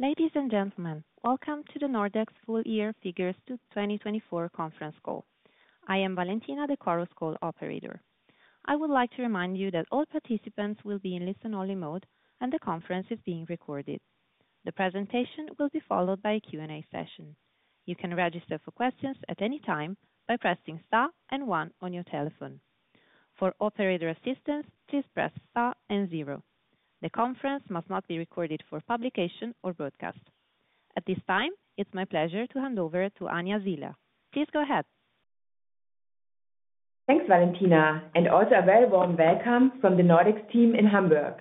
Ladies and gentlemen, welcome to the Nordex Full Year Figures 2024 Conference Call. I am Valentina, the Chorus Call operator. I would like to remind you that all participants will be in listen-only mode, and the conference is being recorded. The presentation will be followed by a Q&A session. You can register for questions at any time by pressing Star and 1 on your telephone. For operator assistance, please press Star and 0. The conference must not be recorded for publication or broadcast. At this time, it's my pleasure to hand over to Anja Siehler. Please go ahead. Thanks, Valentina, and also a very warm welcome from the Nordex team in Hamburg.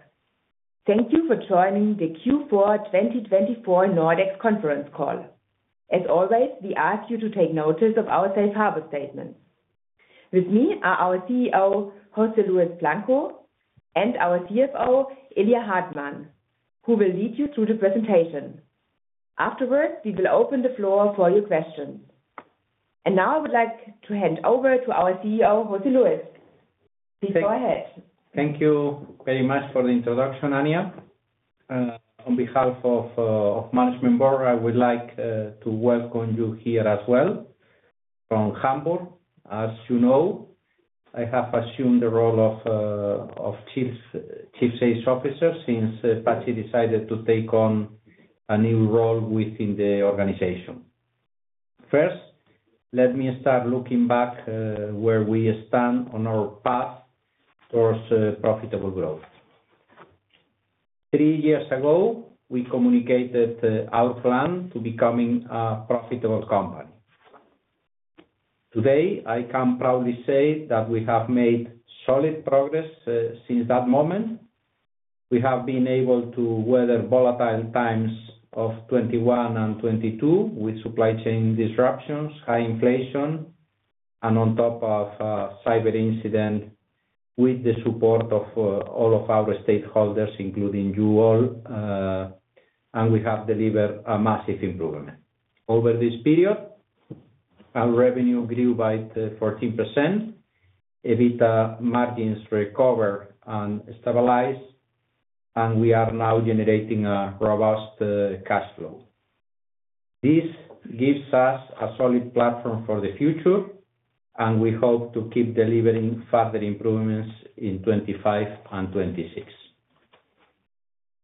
Thank you for joining the Q4 2024 Nordex Conference Call. As always, we ask you to take notice of our safe harbor statements. With me are our CEO, José Luis Blanco, and our CFO, Ilya Hartmann, who will lead you through the presentation. Afterwards, we will open the floor for your questions. And now I would like to hand over to our CEO, José Luis. Please go ahead. Thank you very much for the introduction, Anja. On behalf of the Management Board, I would like to welcome you here as well from Hamburg. As you know, I have assumed the role of Chief Sales Officer since Patxi decided to take on a new role within the organization. First, let me start looking back where we stand on our path towards profitable growth. Three years ago, we communicated our plan to becoming a profitable company. Today, I can proudly say that we have made solid progress since that moment. We have been able to weather volatile times of 2021 and 2022 with supply chain disruptions, high inflation, and on top of a cyber incident with the support of all of our stakeholders, including you all, and we have delivered a massive improvement. Over this period, our revenue grew by 14%, EBITDA margins recovered and stabilized, and we are now generating a robust cash flow. This gives us a solid platform for the future, and we hope to keep delivering further improvements in 2025 and 2026.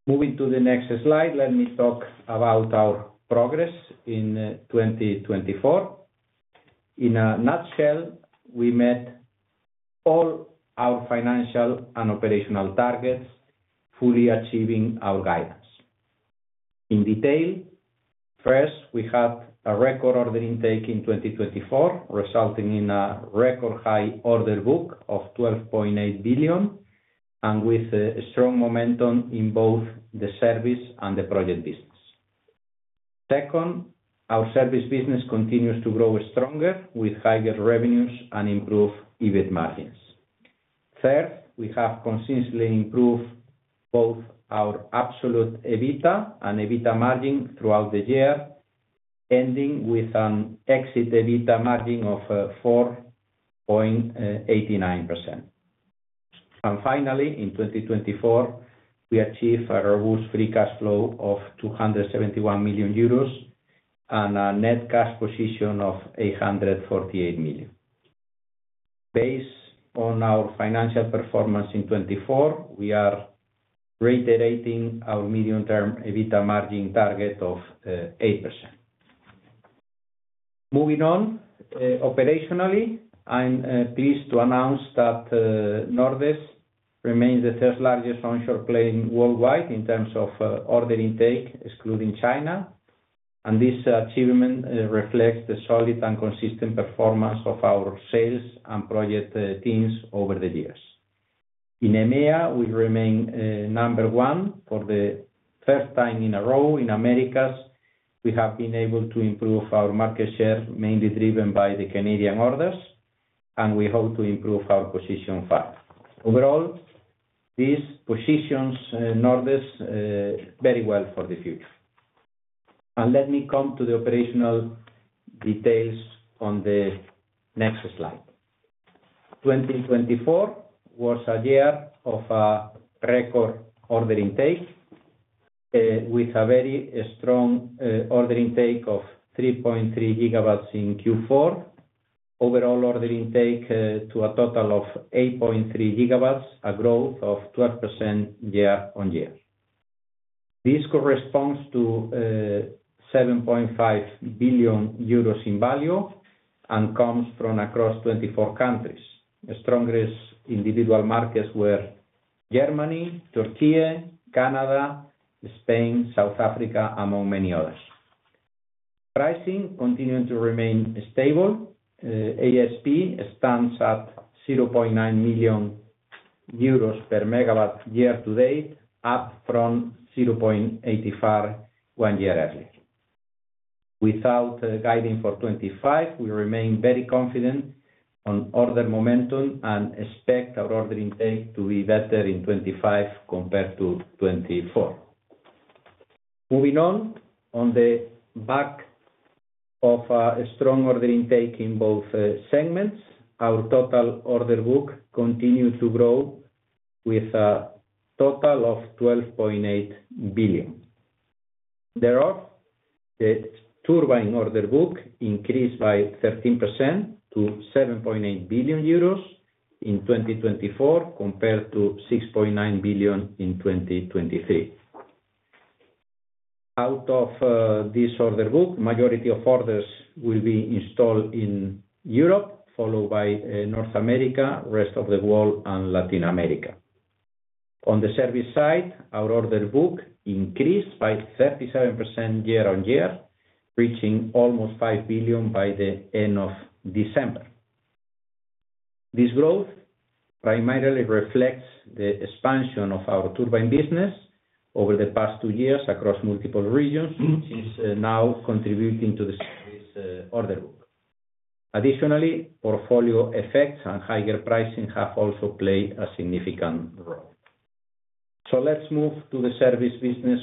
Moving to the next slide, let me talk about our progress in 2024. In a nutshell, we met all our financial and operational targets, fully achieving our guidance. In detail, first, we had a record order intake in 2024, resulting in a record high order book of 12.8 billion, and with strong momentum in both the service and the project business. Second, our service business continues to grow stronger with higher revenues and improved EBIT margins. Third, we have consistently improved both our absolute EBITDA and EBITDA margin throughout the year, ending with an exit EBITDA margin of 4.89%. Finally, in 2024, we achieved a robust free cash flow of 271 million euros and a net cash position of 848 million. Based on our financial performance in 2024, we are reiterating our medium-term EBITDA margin target of 8%. Moving on, operationally, I'm pleased to announce that Nordex remains the third largest onshore player worldwide in terms of order intake, excluding China, and this achievement reflects the solid and consistent performance of our sales and project teams over the years. In EMEA, we remain number one for the first time in a row in Americas. We have been able to improve our market share, mainly driven by the Canadian orders, and we hope to improve our position further. Overall, these positions in Nordex are very well for the future. Let me come to the operational details on the next slide. 2024 was a year of a record order intake, with a very strong order intake of 3.3GW in Q4, overall order intake to a total of 8.3GW, a growth of 12% year on year. This corresponds to 7.5 billion euros in value and comes from across 24 countries. Strongest individual markets were Germany, Türkiye, Canada, Spain, South Africa, among many others. Pricing continued to remain stable. ASP stands at 0.9 million euros per megawatt year to date, up from 0.85 one year earlier. Without guiding for 2025, we remain very confident on order momentum and expect our order intake to be better in 2025 compared to 2024. Moving on, on the back of a strong order intake in both segments, our total order book continued to grow with a total of 12.8 billion. Thereof, the turbine order book increased by 13% to 7.8 billion euros in 2024 compared to 6.9 billion in 2023. Out of this order book, the majority of orders will be installed in Europe, followed by North America, the rest of the world, and Latin America. On the service side, our order book increased by 37% year on year, reaching almost 5 billion by the end of December. This growth primarily reflects the expansion of our turbine business over the past two years across multiple regions, which is now contributing to the service order book. Additionally, portfolio effects and higher pricing have also played a significant role. So let's move to the service business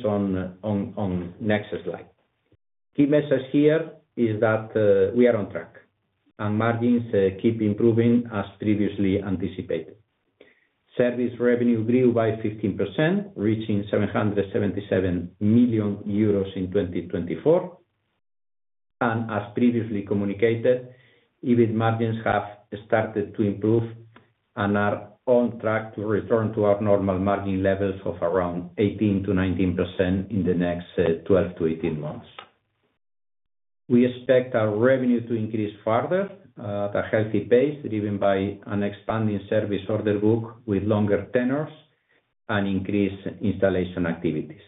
on the next slide. The key message here is that we are on track, and margins keep improving as previously anticipated. Service revenue grew by 15%, reaching 777 million euros in 2024. As previously communicated, EBIT margins have started to improve and are on track to return to our normal margin levels of around 18% to 19% in the next 12 to 18 months. We expect our revenue to increase further at a healthy pace, driven by an expanding service order book with longer tenors and increased installation activities.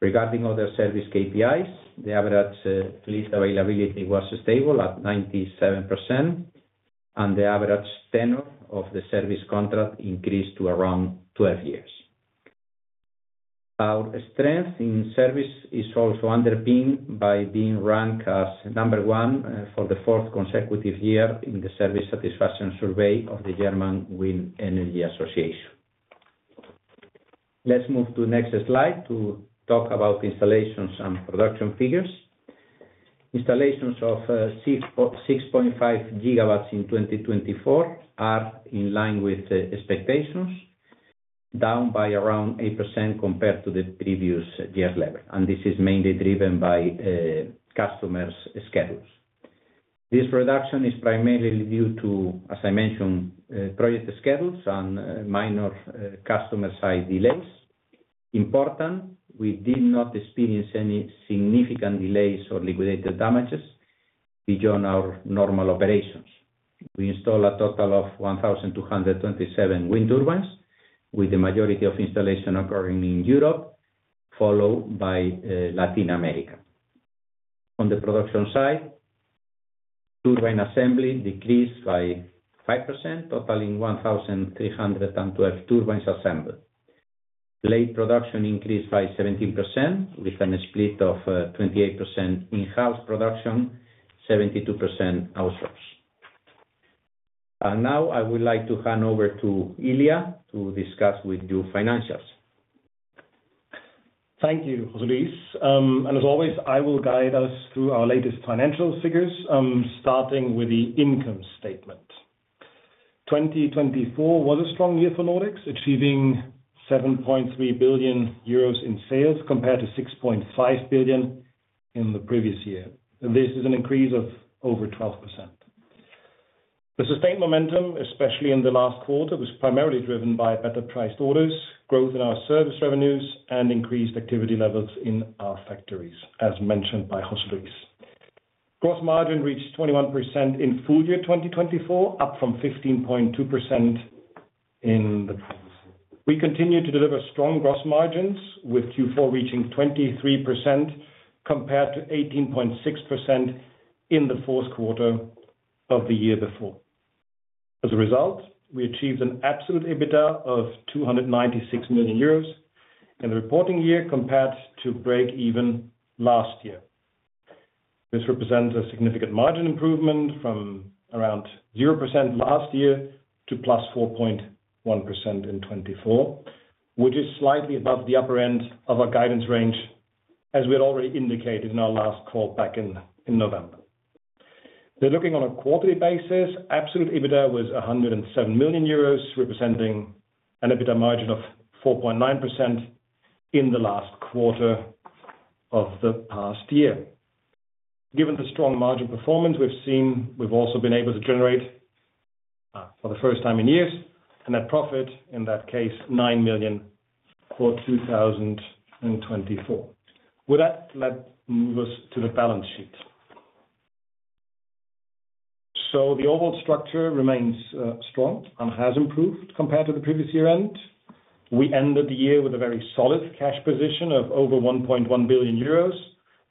Regarding other service KPIs, the average lease availability was stable at 97%, and the average tenor of the service contract increased to around 12 years. Our strength in service is also underpinned by being ranked as number one for the fourth consecutive year in the service satisfaction survey of the German Wind Energy Association. Let's move to the next slide to talk about installations and production figures. Installations of 6.5GW in 2024 are in line with expectations, down by around 8% compared to the previous year level, and this is mainly driven by customers' schedules. This reduction is primarily due to, as I mentioned, project schedules and minor customer-side delays. Important, we did not experience any significant delays or liquidated damages beyond our normal operations. We installed a total of 1,227 wind turbines, with the majority of installation occurring in Europe, followed by Latin America. On the production side, turbine assembly decreased by 5%, totaling 1,312 turbines assembled. Late production increased by 17%, with a split of 28% in-house production, 72% outsourced. Now I would like to hand over to Ilya to discuss with you financials. Thank you, José Luis. And as always, I will guide us through our latest financial figures, starting with the income statement. 2024 was a strong year for Nordex, achieving 7.3 billion euros in sales compared to 6.5 billion in the previous year. This is an increase of over 12%. The sustained momentum, especially in the last quarter, was primarily driven by better-priced orders, growth in our service revenues, and increased activity levels in our factories, as mentioned by José Luis. Gross margin reached 21% in full year 2024, up from 15.2% in the previous year. We continue to deliver strong gross margins, with Q4 reaching 23% compared to 18.6% in the Q4 of the year before. As a result, we achieved an absolute EBITDA of 296 million euros in the reporting year compared to break-even last year. This represents a significant margin improvement from around 0% last year to plus 4.1% in 2024, which is slightly above the upper end of our guidance range, as we had already indicated in our last call back in November. Looking on a quarterly basis, absolute EBITDA was 107 million euros, representing an EBITDA margin of 4.9% in the last quarter of the past year. Given the strong margin performance we've seen, we've also been able to generate for the first time in years a net profit, in that case, 9 million for 2024. With that, let's move us to the balance sheet. So the overall structure remains strong and has improved compared to the previous year-end. We ended the year with a very solid cash position of over 1.1 billion euros,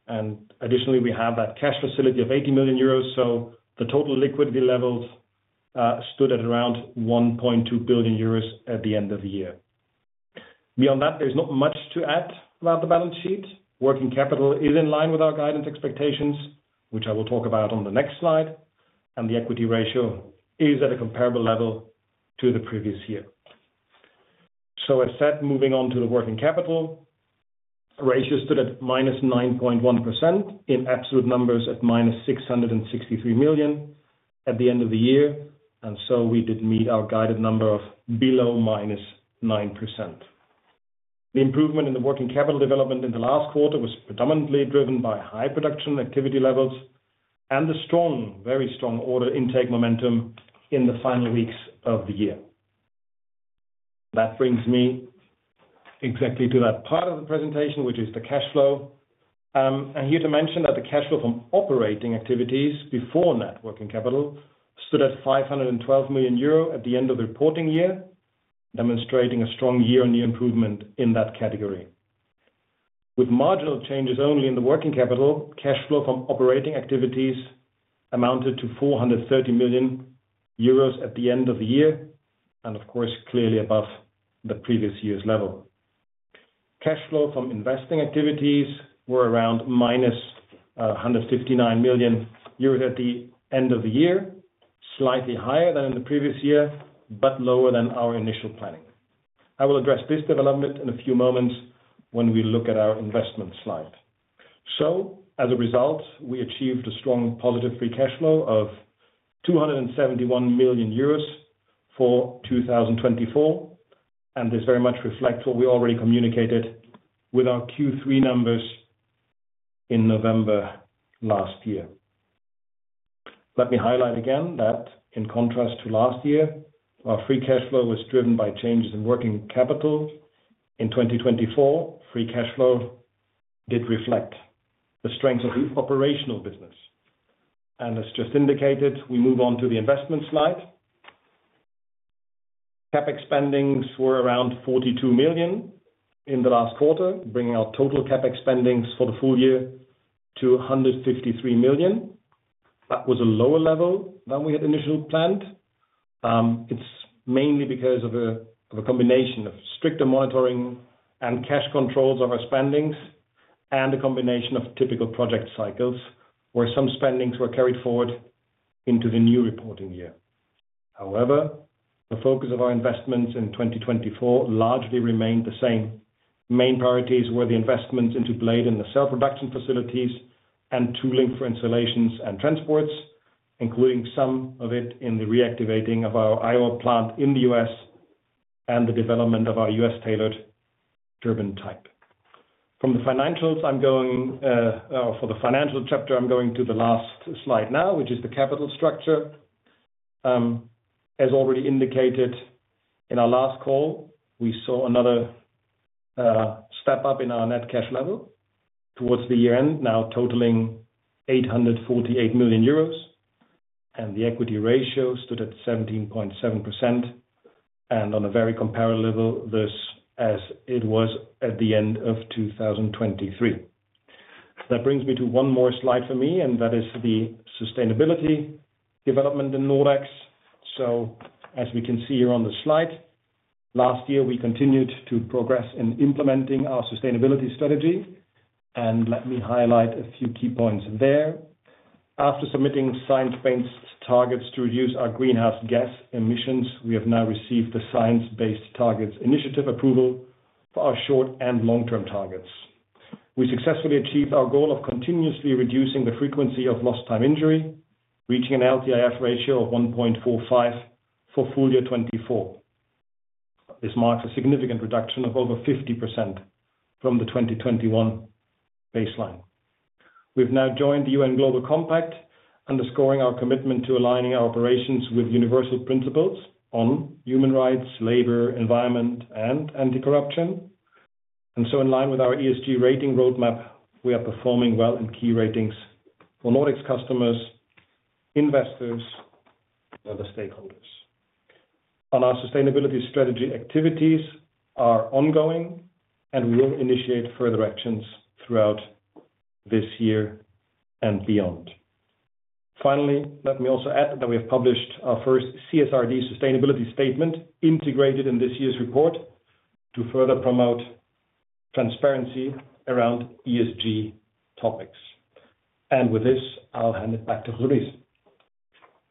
and additionally, we have that cash facility of 80 million euros, so the total liquidity levels stood at around 1.2 billion euros at the end of the year. Beyond that, there's not much to add about the balance sheet. Working capital is in line with our guidance expectations, which I will talk about on the next slide, and the equity ratio is at a comparable level to the previous year. So as said, moving on to the working capital, ratio stood at minus 9.1%, in absolute numbers at minus 663 million at the end of the year, and so we did meet our guided number of below minus 9%. The improvement in the working capital development in the last quarter was predominantly driven by high production activity levels and the strong, very strong order intake momentum in the final weeks of the year. That brings me exactly to that part of the presentation, which is the cash flow, and here to mention that the cash flow from operating activities before net working capital stood at 512 million euro at the end of the reporting year, demonstrating a strong year-on-year improvement in that category. With marginal changes only in the working capital, cash flow from operating activities amounted to 430 million euros at the end of the year, and of course, clearly above the previous year's level. Cash flow from investing activities were around minus 159 million euros at the end of the year, slightly higher than in the previous year, but lower than our initial planning. I will address this development in a few moments when we look at our investment slide. So as a result, we achieved a strong positive free cash flow of 271 million euros for 2024, and this very much reflects what we already communicated with our Q3 numbers in November last year. Let me highlight again that in contrast to last year, our free cash flow was driven by changes in working capital. In 2024, free cash flow did reflect the strength of the operational business. And as just indicated, we move on to the investment slide. CapEx spendings were around 42 million in the last quarter, bringing our total CapEx spendings for the full year to 153 million. That was a lower level than we had initially planned. It's mainly because of a combination of stricter monitoring and cash controls on our spending and a combination of typical project cycles where some spending was carried forward into the new reporting year. However, the focus of our investments in 2024 largely remained the same. Main priorities were the investments into blade and the self-production facilities and tooling for installations and transports, including some of it in the reactivating of our Iowa plant in the US and the development of our US-tailored turbine type. From the financials, I'm going for the financial chapter. I'm going to the last slide now, which is the capital structure. As already indicated in our last call, we saw another step up in our net cash level towards the year-end, now totaling 848 million euros, and the equity ratio stood at 17.7%, and on a very comparable level as it was at the end of 2023. That brings me to one more slide for me, and that is the sustainability development in Nordex. So as we can see here on the slide, last year we continued to progress in implementing our sustainability strategy, and let me highlight a few key points there. After submitting science-based targets to reduce our greenhouse gas emissions, we have now received the Science-Based Targets Initiative approval for our short and long-term targets. We successfully achieved our goal of continuously reducing the frequency of lost-time injury, reaching an LTIF ratio of 1.45 for full year 2024. This marks a significant reduction of over 50% from the 2021 baseline. We've now joined the UN Global Compact, underscoring our commitment to aligning our operations with universal principles on human rights, labor, environment, and anti-corruption. And so in line with our ESG rating roadmap, we are performing well in key ratings for Nordex customers, investors, and other stakeholders. On our sustainability strategy activities, our ongoing and will initiate further actions throughout this year and beyond. Finally, let me also add that we have published our first CSRD sustainability statement integrated in this year's report to further promote transparency around ESG topics. And with this, I'll hand it back to José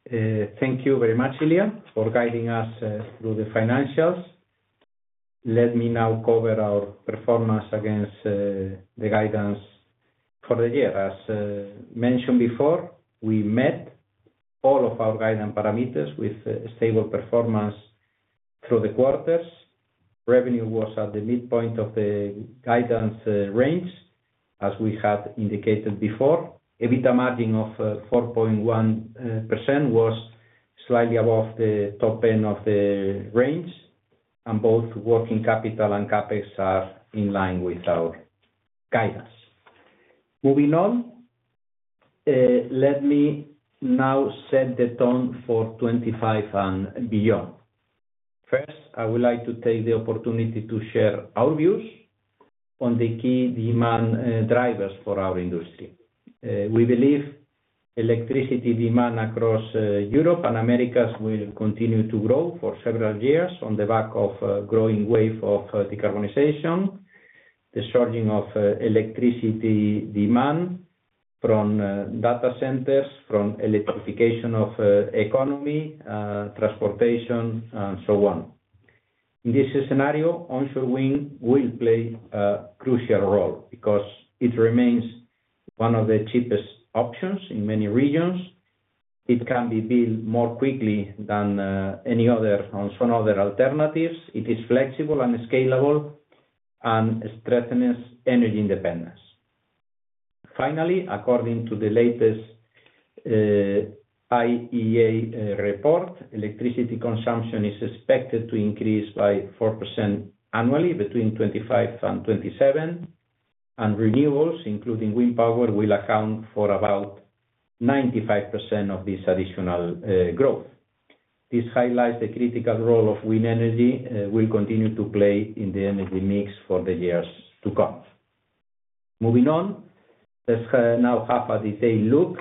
Luis. Thank you very much, Ilya, for guiding us through the financials. Let me now cover our performance against the guidance for the year. As mentioned before, we met all of our guidance parameters with stable performance through the quarters. Revenue was at the midpoint of the guidance range, as we had indicated before. EBITDA margin of 4.1% was slightly above the top end of the range, and both working capital and CapEx are in line with our guidance. Moving on, let me now set the tone for 2025 and beyond. First, I would like to take the opportunity to share our views on the key demand drivers for our industry. We believe electricity demand across Europe and Americas will continue to grow for several years on the back of a growing wave of decarbonization, the surging of electricity demand from data centers, from electrification of the economy, transportation, and so on. In this scenario, onshore wind will play a crucial role because it remains one of the cheapest options in many regions. It can be built more quickly than any other on some other alternatives. It is flexible and scalable and strengthens energy independence. Finally, according to the latest IEA report, electricity consumption is expected to increase by 4% annually between 2025 and 2027, and renewables, including wind power, will account for about 95% of this additional growth. This highlights the critical role of wind energy will continue to play in the energy mix for the years to come. Moving on, let's now have a detailed look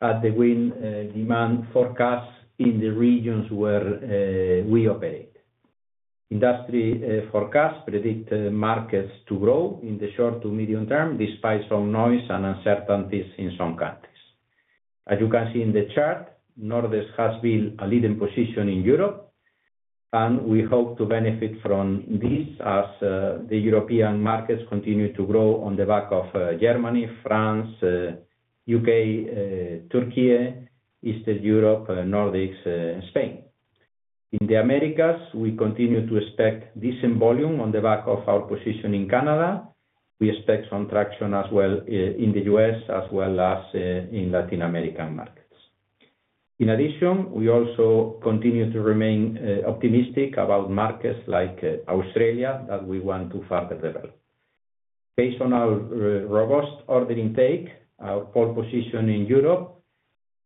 at the wind demand forecasts in the regions where we operate. Industry forecasts predict markets to grow in the short to medium term despite some noise and uncertainties in some countries. As you can see in the chart, Nordex has built a leading position in Europe, and we hope to benefit from this as the European markets continue to grow on the back of Germany, France, the UK, Türkiye, Eastern Europe, Nordics, and Spain. In the Americas, we continue to expect decent volume on the back of our position in Canada. We expect some traction as well in the US as well as in Latin American markets. In addition, we also continue to remain optimistic about markets like Australia that we want to further develop. Based on our robust order intake, our pole position in Europe,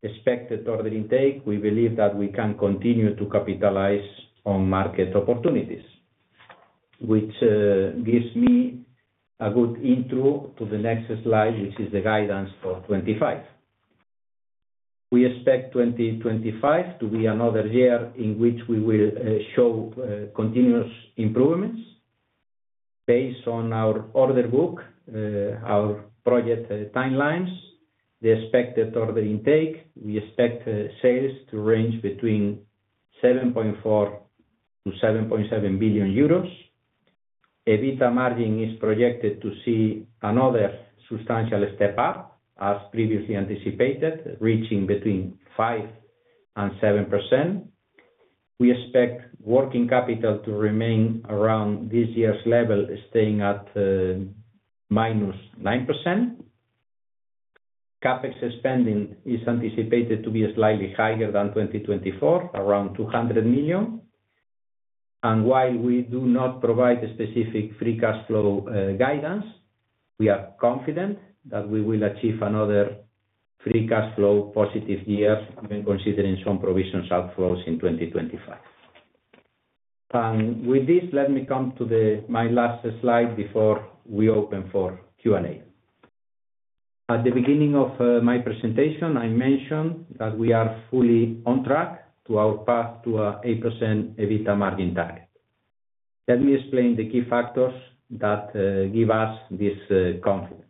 expected order intake, we believe that we can continue to capitalize on market opportunities, which gives me a good intro to the next slide, which is the guidance for 2025. We expect 2025 to be another year in which we will show continuous improvements. Based on our order book, our project timelines, the expected order intake, we expect sales to range between 7.4 to 7.7 billion. EBITDA margin is projected to see another substantial step up, as previously anticipated, reaching between 5% and 7%. We expect working capital to remain around this year's level, staying at -9%. Capex spending is anticipated to be slightly higher than 2024, around 200 million. And while we do not provide a specific free cash flow guidance, we are confident that we will achieve another free cash flow positive year when considering some provision outflows in 2025. And with this, let me come to my last slide before we open for Q&A. At the beginning of my presentation, I mentioned that we are fully on track to our path to an 8% EBITDA margin target. Let me explain the key factors that give us this confidence.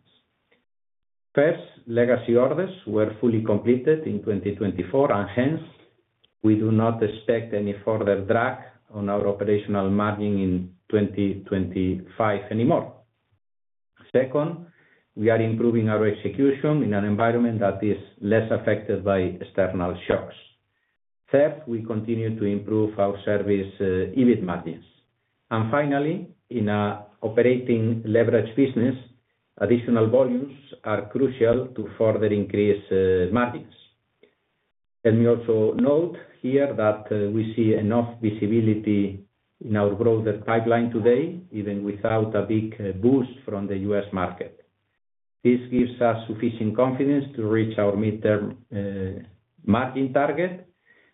First, legacy orders were fully completed in 2024, and hence, we do not expect any further drag on our operational margin in 2025 anymore. Second, we are improving our execution in an environment that is less affected by external shocks. Third, we continue to improve our service EBIT margins. And finally, in an operating leverage business, additional volumes are crucial to further increase margins. Let me also note here that we see enough visibility in our broader pipeline today, even without a big boost from the US market. This gives us sufficient confidence to reach our midterm margin target.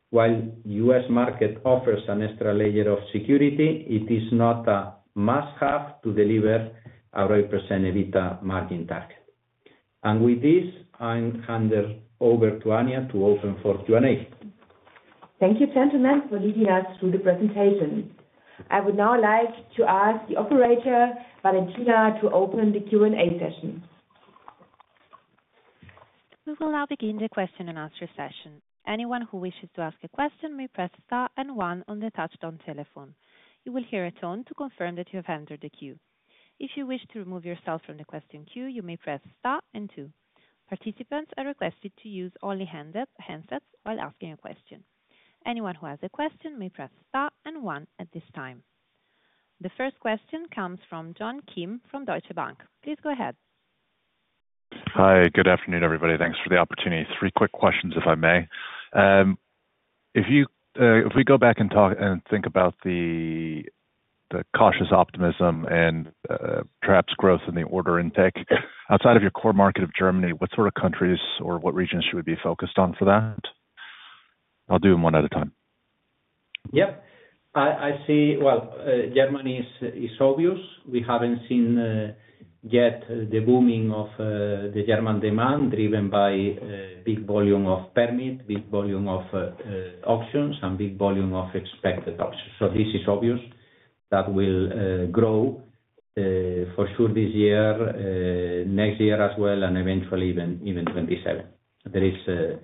While the US market offers an extra layer of security, it is not a must-have to deliver our 8% EBITDA margin target. And with this, I hand over to Anja to open for Q&A. Thank you, gentlemen, for leading us through the presentation. I would now like to ask the operator, Valentina, to open the Q&A session. We will now begin the question and answer session. Anyone who wishes to ask a question may press star and one on the touch-tone telephone. You will hear a tone to confirm that you have entered the queue. If you wish to remove yourself from the question queue, you may press star and two. Participants are requested to use only handsets while asking a question. Anyone who has a question may press star and one at this time. The first question comes from John Kim from Deutsche Bank. Please go ahead. Hi, good afternoon, everybody. Thanks for the opportunity. Three quick questions, if I may. If we go back and think about the cautious optimism and perhaps growth in the order intake outside of your core market of Germany, what sort of countries or what regions should we be focused on for that? I'll do them one at a time. Yep. I see. Well, Germany is obvious. We haven't seen yet the booming of the German demand driven by big volume of permits, big volume of auctions, and big volume of expected auctions. So this is obvious that will grow for sure this year, next year as well, and eventually even 2027.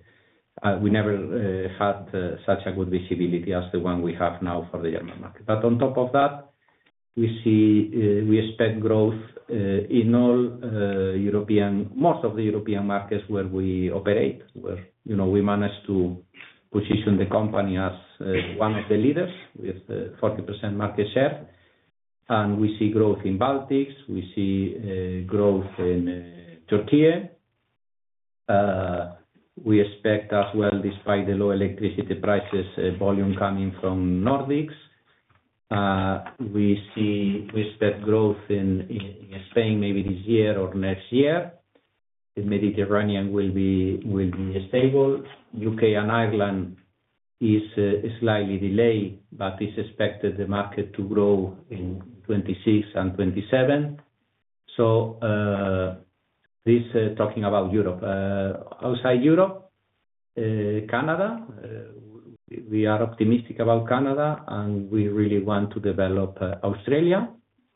We never had such a good visibility as the one we have now for the German market. But on top of that, we expect growth in all European markets where we operate, where we managed to position the company as one of the leaders with 40% market share. And we see growth in Baltics. We see growth in Türkiye. We expect as well, despite the low electricity prices, volume coming from Nordics. We expect growth in Spain maybe this year or next year. The Mediterranean will be stable. UK and Ireland is slightly delayed, but it's expected the market to grow in 2026 and 2027, so this is talking about Europe. Outside Europe, Canada. We are optimistic about Canada, and we really want to develop Australia,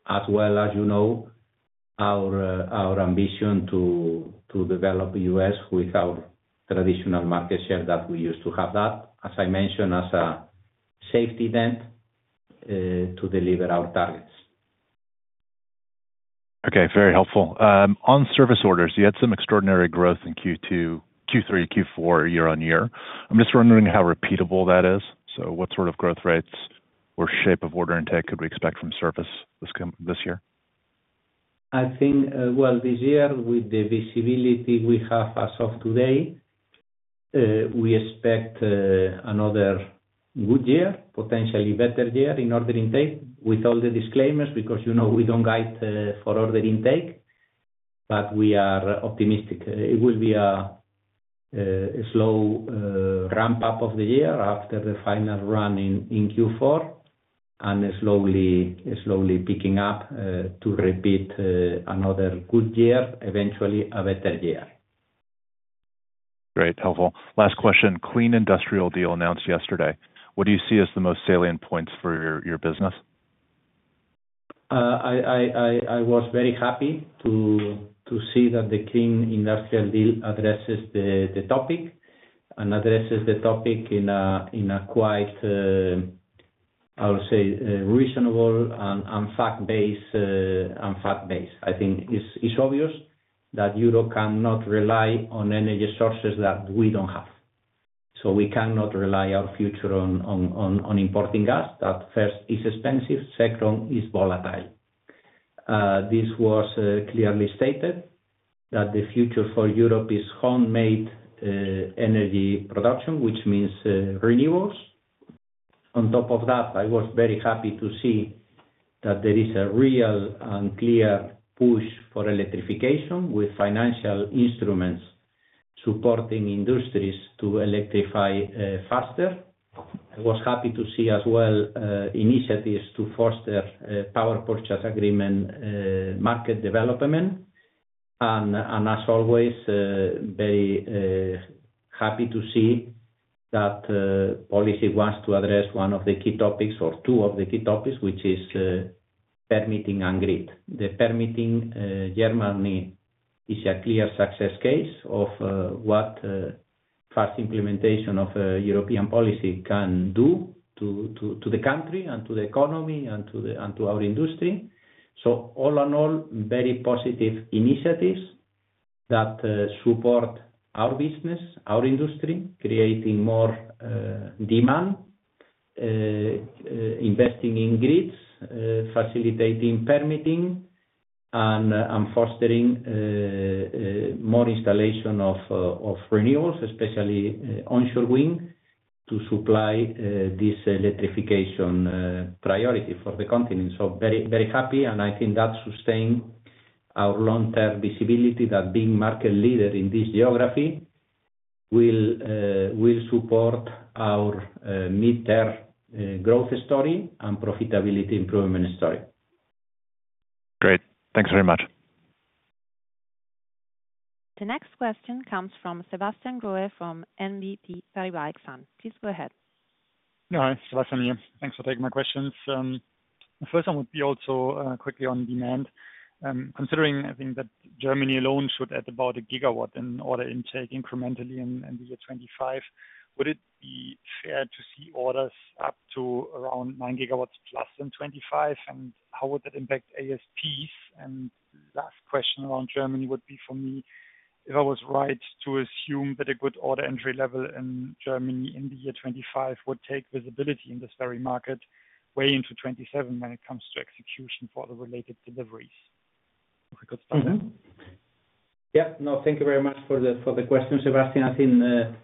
as well as, you know, our ambition to develop the US with our traditional market share that we used to have. That, as I mentioned, as a safety net to deliver our targets. Okay, very helpful. On service orders, you had some extraordinary growth in Q2, Q3, Q4 year-on-year. I'm just wondering how repeatable that is. So what sort of growth rates or shape of order intake could we expect from service this year? I think, well, this year with the visibility we have as of today, we expect another good year, potentially better year in order intake with all the disclaimers because, you know, we don't guide for order intake, but we are optimistic. It will be a slow ramp-up of the year after the final run in Q4 and slowly picking up to repeat another good year, eventually a better year. Great, helpful. Last question. Clean Industrial Deal announced yesterday. What do you see as the most salient points for your business? I was very happy to see that the Clean Industrial Deal addresses the topic and addresses the topic in a quite, I would say, reasonable and fact-based way. I think it's obvious that Europe cannot rely on energy sources that we don't have. So we cannot rely our future on importing gas that, first, is expensive. Second, is volatile. This was clearly stated that the future for Europe is homemade energy production, which means renewables. On top of that, I was very happy to see that there is a real and clear push for electrification with financial instruments supporting industries to electrify faster. I was happy to see as well initiatives to foster power purchase agreement market development, and as always, very happy to see that policy wants to address one of the key topics or two of the key topics, which is permitting and grid. Permitting in Germany is a clear success case of what fast implementation of European policy can do to the country and to the economy and to our industry. So all in all, very positive initiatives that support our business, our industry, creating more demand, investing in grids, facilitating permitting, and fostering more installation of renewables, especially onshore wind to supply this electrification priority for the continent. So very happy, and I think that sustains our long-term visibility that being market leader in this geography will support our mid-term growth story and profitability improvement story. Great. Thanks very much. The next question comes from Sebastian Growe from BNP Paribas Exane. Please go ahead. Hi, Sebastian, yeah. Thanks for taking my questions. The first one would be also quickly on demand. Considering, I think, that Germany alone should add about a gigawatt in order intake incrementally in the year 2025, would it be fair to see orders up to around 9GW plus in 2025? And how would that impact ASPs? And the last question around Germany would be for me, if I was right to assume that a good order entry level in Germany in the year 2025 would take visibility in this very market way into 2027 when it comes to execution for the related deliveries. If we could start there. Yep. No, thank you very much for the question, Sebastian. I think,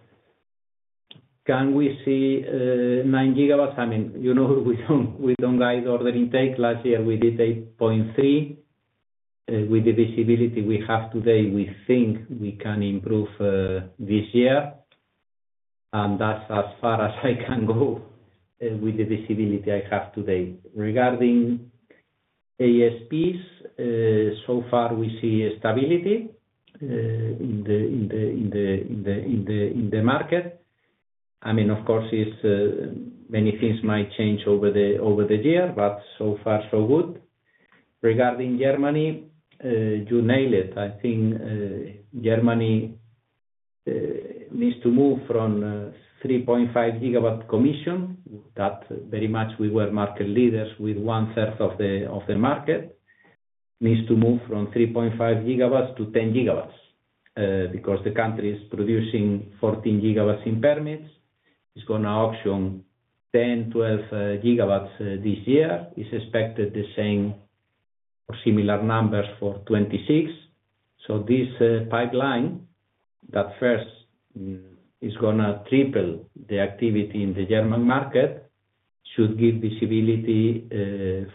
can we see 9GW? I mean, you know, we don't guide order intake. Last year, we did 8.3. With the visibility we have today, we think we can improve this year, and that's as far as I can go with the visibility I have today. Regarding ASPs, so far we see stability in the market. I mean, of course, many things might change over the year, but so far, so good. Regarding Germany, you nailed it. I think Germany needs to move from 3.5GW commissioning. That year we were market leaders with one third of the market. It needs to move from 3.5GW to 10GW because the country is producing 14GW in permits. It's going to auction 10GW to 12GW this year. It's expected the same or similar numbers for 2026. So this pipeline that first is going to triple the activity in the German market should give visibility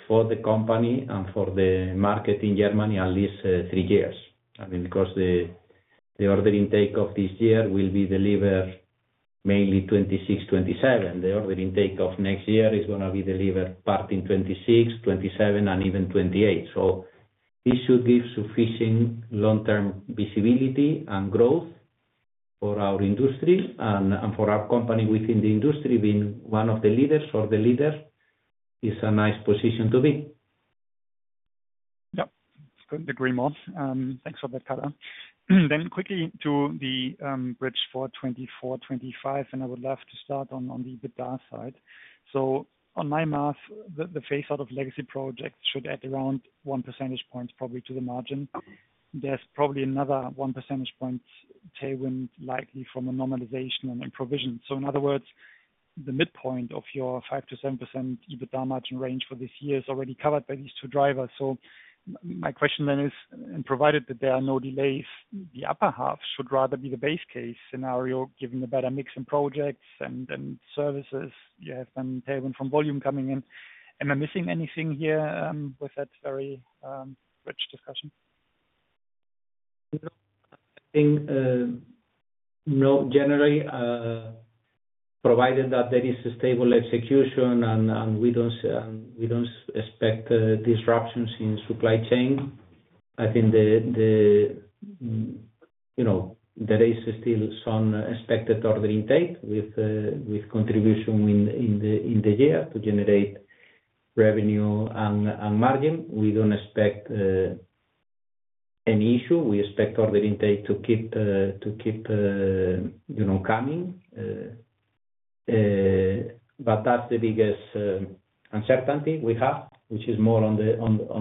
for the company and for the market in Germany at least three years. I mean, because the order intake of this year will be delivered mainly 2026, 2027. The order intake of next year is going to be delivered part in 2026, 2027, and even 2028. So this should give sufficient long-term visibility and growth for our industry and for our company within the industry being one of the leaders or the leader. It's a nice position to be. Yep. I couldn't agree more. Thanks for that, Karla. Then quickly to the bridge for 2024, 2025, and I would love to start on the EBITDA side. So on my math, the phase-out of legacy projects should add around 1 percentage point probably to the margin. There's probably another 1 percentage point tailwind likely from a normalization and improvement. So in other words, the midpoint of your 5% to 7% EBITDA margin range for this year is already covered by these two drivers. So my question then is, provided that there are no delays, the upper half should rather be the base case scenario giving a better mix in projects and services. You have some tailwind from volume coming in. Am I missing anything here with that very rich discussion? I think, no, generally, provided that there is a stable execution and we don't expect disruptions in supply chain, I think there is still some expected order intake with contribution in the year to generate revenue and margin. We don't expect any issue. We expect order intake to keep coming. But that's the biggest uncertainty we have, which is more on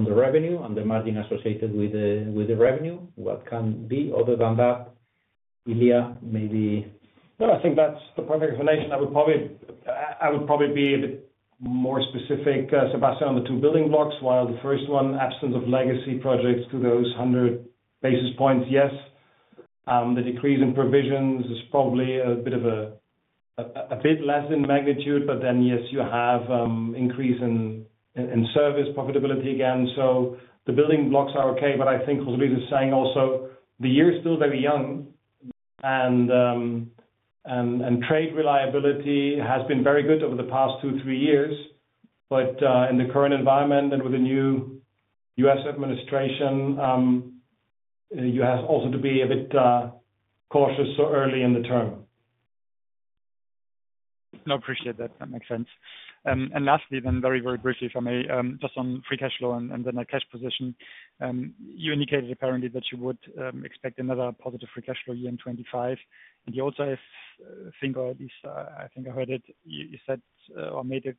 the revenue and the margin associated with the revenue. What can be other than that? Ilya, maybe. No, I think that's the perfect explanation. I would probably be a bit more specific, Sebastian, on the two building blocks. While the first one, absence of legacy projects to those 100 basis points, yes. The decrease in provisions is probably a bit less in magnitude, but then yes, you have increase in service profitability again. So the building blocks are okay, but I think what Lisa is saying also, the year is still very young, and trade reliability has been very good over the past two, three years. But in the current environment and with the new US administration, you have also to be a bit cautious so early in the term. No, appreciate that. That makes sense. And lastly, then very, very briefly, if I may, just on free cash flow and then a cash position, you indicated apparently that you would expect another positive free cash flow year in 2025. And you also think, or at least I think I heard it, you said or made a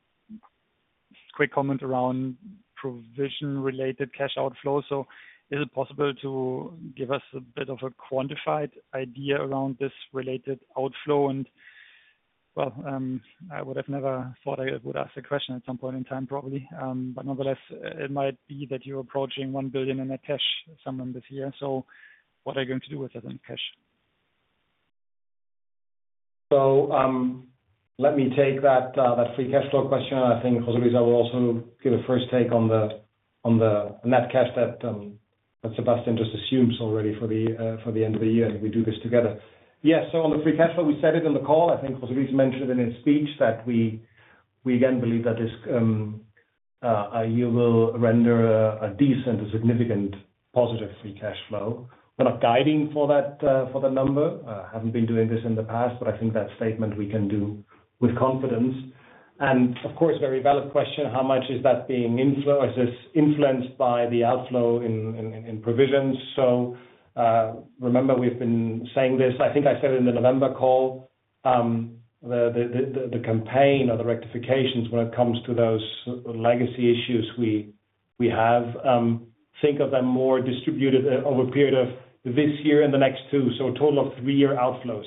quick comment around provision-related cash outflow. So is it possible to give us a bit of a quantified idea around this related outflow? And well, I would have never thought I would ask the question at some point in time, probably. But nonetheless, it might be that you're approaching 1 billion in net cash somewhere this year. So what are you going to do with that net cash? So let me take that free cash flow question. I think José Luis will also give a first take on the net cash that Sebastian just assumes already for the end of the year, and we do this together. Yes, so on the free cash flow, we said it in the call. I think José Luis mentioned it in his speech that we again believe that you will render a decent, a significant positive free cash flow. We're not guiding for that number. I haven't been doing this in the past, but I think that statement we can do with confidence. And of course, very valid question, how much is that being influenced by the outflow in provisions? So remember, we've been saying this. I think I said it in the November call. The CapEx and the rectifications when it comes to those legacy issues we have, think of them more distributed over a period of this year and the next two. So a total of three-year outflows.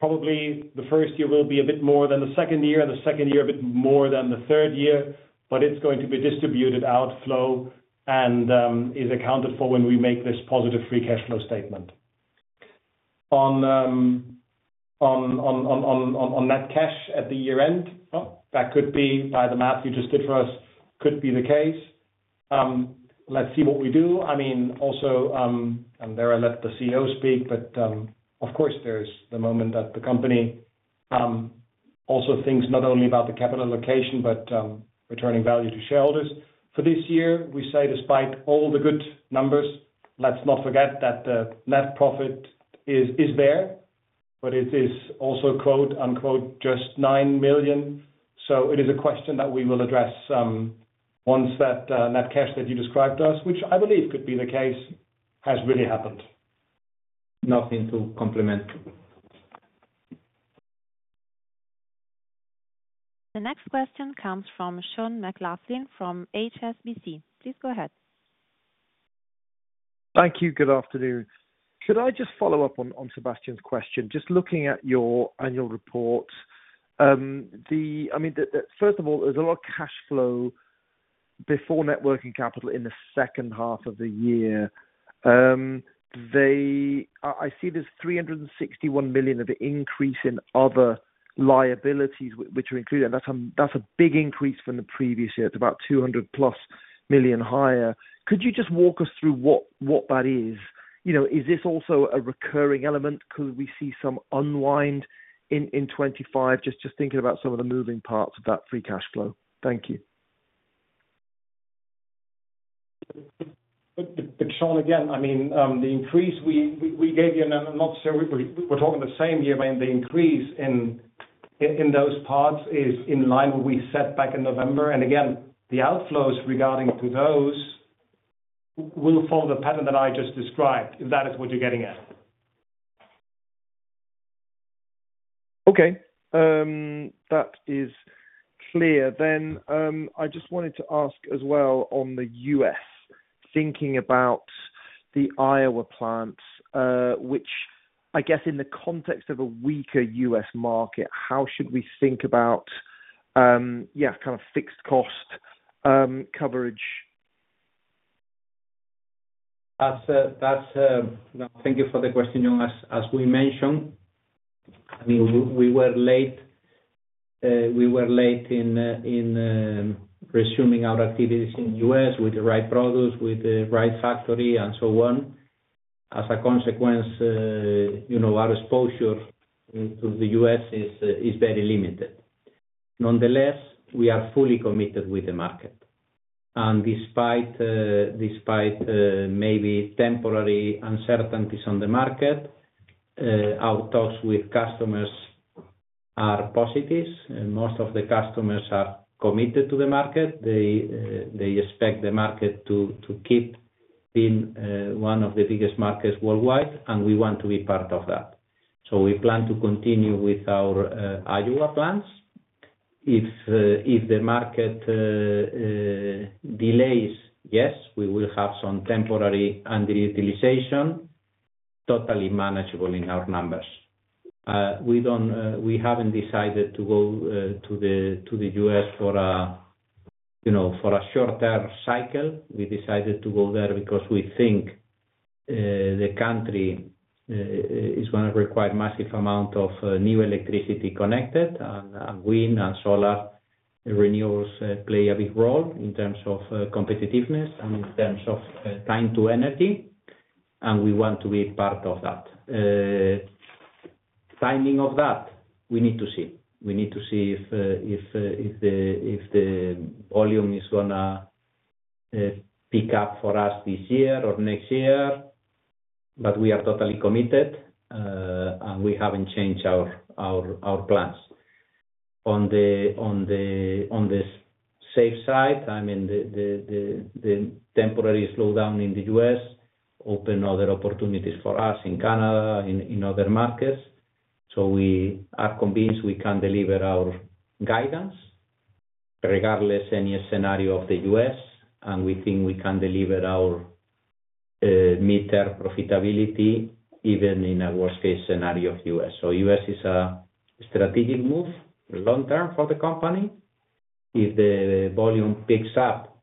Probably the first year will be a bit more than the second year, and the second year a bit more than the third year, but it's going to be a distributed outflow and is accounted for when we make this positive Free Cash Flow statement. On net cash at the year-end, that could be by the math you just did for us, could be the case. Let's see what we do. I mean, also, and there I let the CEO speak, but of course, there's the moment that the company also thinks not only about the capital allocation, but returning value to shareholders. For this year, we say, despite all the good numbers, let's not forget that the net profit is there, but it is also "just 9 million." So it is a question that we will address once that net cash that you described to us, which I believe could be the case, has really happened. Nothing to compliment. The next question comes from Sean McLoughlin from HSBC. Please go ahead. Thank you. Good afternoon. Could I just follow up on Sebastian's question? Just looking at your annual report, I mean, first of all, there's a lot of cash flow before net working capital in the second half of the year. I see there's 361 million of an increase in other liabilities, which are included, and that's a big increase from the previous year. It's about 200-plus million higher. Could you just walk us through what that is? Is this also a recurring element? Could we see some unwind in 2025, just thinking about some of the moving parts of that free cash flow? Thank you. But Sean, again, I mean, the increase we gave you, and I'm not sure we're talking the same year, but the increase in those parts is in line with what we said back in November. And again, the outflows regarding to those will follow the pattern that I just described, if that is what you're getting at. Okay. That is clear. Then I just wanted to ask as well on the US, thinking about the Iowa plants, which I guess in the context of a weaker US market, how should we think about, yeah, kind of fixed cost coverage? Thank you for the question. As we mentioned, I mean, we were late in resuming our activities in the US with the right products, with the right factory, and so on. As a consequence, our exposure to the US is very limited. Nonetheless, we are fully committed with the market. And despite maybe temporary uncertainties on the market, our talks with customers are positive. Most of the customers are committed to the market. They expect the market to keep being one of the biggest markets worldwide, and we want to be part of that. So we plan to continue with our Iowa plants. If the market delays, yes, we will have some temporary underutilization, totally manageable in our numbers. We haven't decided to go to the US for a shorter cycle. We decided to go there because we think the country is going to require a massive amount of new electricity connected, and wind and solar renewables play a big role in terms of competitiveness and in terms of time to energy, and we want to be part of that. Timing of that, we need to see. We need to see if the volume is going to pick up for us this year or next year, but we are totally committed, and we haven't changed our plans. On the safe side, I mean, the temporary slowdown in the US opened other opportunities for us in Canada, in other markets, so we are convinced we can deliver our guidance regardless of any scenario of the US, and we think we can deliver our mid-term profitability even in a worst-case scenario of the US. So US is a strategic move long-term for the company. If the volume picks up,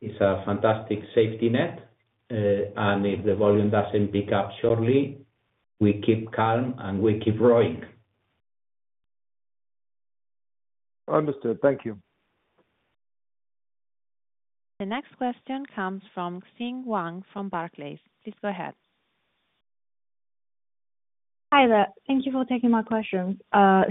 it's a fantastic safety net. If the volume doesn't pick up shortly, we keep calm and we keep growing. Understood. Thank you. The next question comes from Qing Wang from Barclays. Please go ahead. Hi, there. Thank you for taking my question.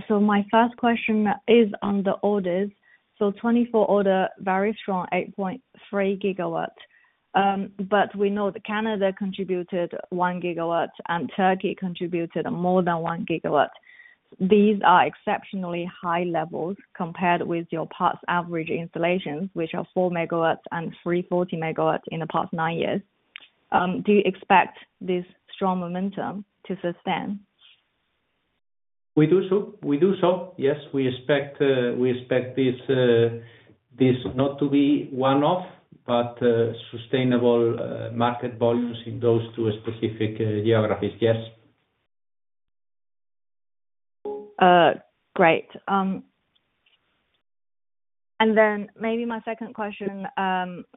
So my first question is on the orders. So 24 orders varied from 8.3GW. But we know that Canada contributed one gigawatt, and Turkey contributed more than one gigawatt. These are exceptionally high levels compared with your past average installations, which are four megawatts and 340 megawatts in the past nine years. Do you expect this strong momentum to sustain? We do so. Yes, we expect this not to be one-off, but sustainable market volumes in those two specific geographies. Yes. Great. And then maybe my second question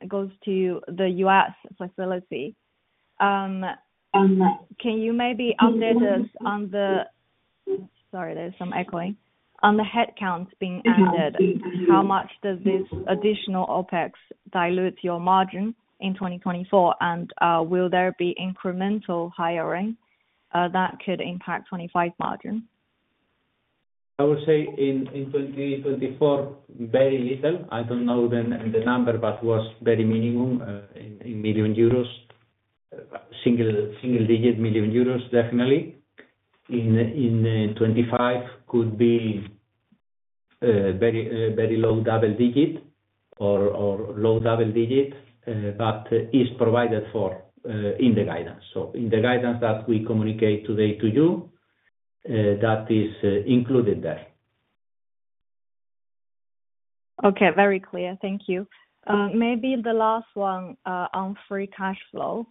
goes to the US facility. Can you maybe update us on the, sorry, there's some echoing, on the headcount being added? How much does this additional OpEx dilute your margin in 2024? And will there be incremental hiring that could impact 25 margin? I would say in 2024, very little. I don't know the number, but it was very minimum in million euros. Single-digit million euros, definitely. In 2025, could be very low double-digit or low double-digit, but is provided for in the guidance. So in the guidance that we communicate today to you, that is included there. Okay. Very clear. Thank you. Maybe the last one on free cash flow.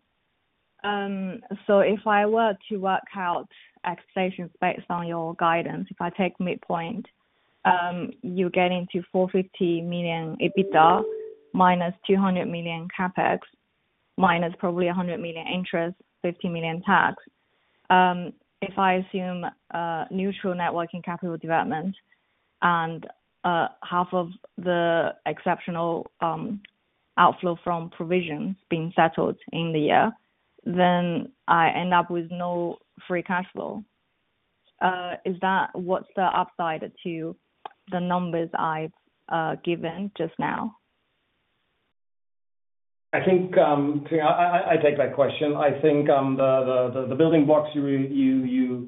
So if I were to work out expectations based on your guidance, if I take midpoint, you're getting to 450 million EBITDA minus 200 million CapEx minus probably 100 million interest, 50 million tax. If I assume neutral net working capital development and half of the exceptional outflow from provisions being settled in the year, then I end up with no free cash flow. What's the upside to the numbers I've given just now? I take that question. I think the building blocks you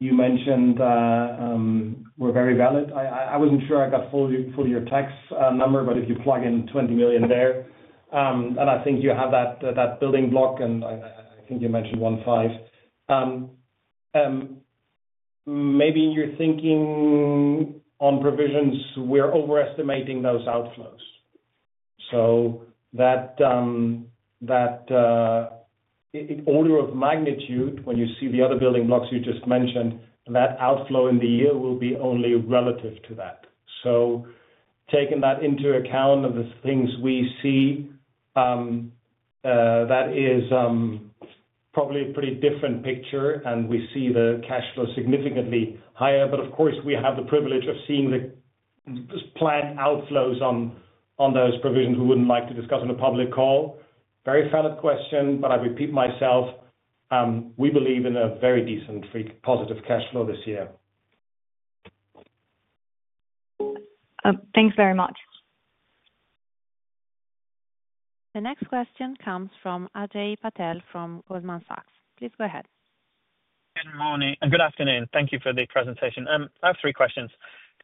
mentioned were very valid. I wasn't sure I got your full tax number, but if you plug in 20 million there, and I think you have that building block, and I think you mentioned 1.5. Maybe you're thinking on provisions, we're overestimating those outflows. So that order of magnitude, when you see the other building blocks you just mentioned, that outflow in the year will be only relative to that. So taking that into account of the things we see, that is probably a pretty different picture, and we see the cash flow significantly higher. But of course, we have the privilege of seeing the planned outflows on those provisions we wouldn't like to discuss in a public call. Very valid question, but I repeat myself. We believe in a very decent positive cash flow this year. Thanks very much. The next question comes from Ajay Patel from Goldman Sachs. Please go ahead. Good morning and good afternoon. Thank you for the presentation. I have three questions.